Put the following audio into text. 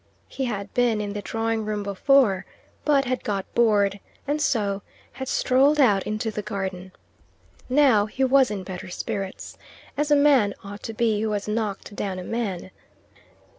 He had been in the drawing room before, but had got bored, and so had strolled out into the garden. Now he was in better spirits, as a man ought to be who has knocked down a man.